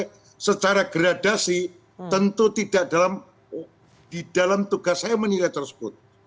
karena partai secara gradasi tentu tidak dalam tugas saya menilai tersebut